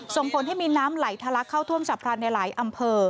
ส่งผลให้มีน้ำไหลทะลักเข้าท่วมฉับพลันในหลายอำเภอ